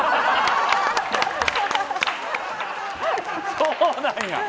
そうなんや。